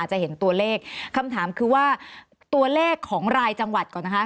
จะเห็นตัวเลขคำถามคือว่าตัวเลขของรายจังหวัดก่อนนะคะ